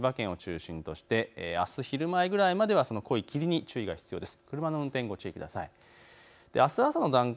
神奈川県や千葉県を中心としてあす昼前くらいまでは濃い霧に注意が必要です。